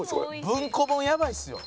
「文庫本やばいですよ」